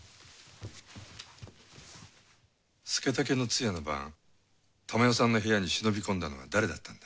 佐武の通夜の晩珠代さんの部屋に忍び込んだのは誰だったんだ？